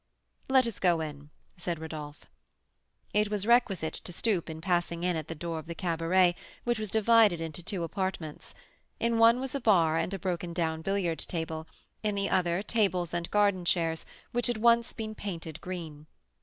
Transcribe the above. "Let us go in," said Rodolph. It was requisite to stoop in passing in at the door of the cabaret, which was divided into two apartments. In one was a bar and a broken down billiard table; in the other, tables and garden chairs, which had once been painted green.